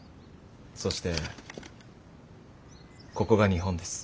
そしてここが日本です。